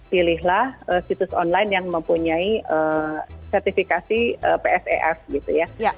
pilihlah situs online yang mempunyai sertifikasi psef gitu ya